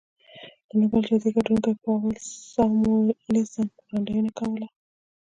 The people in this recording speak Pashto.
د نوبل جایزې ګټونکي پاول ساموېلسن وړاندوینه کوله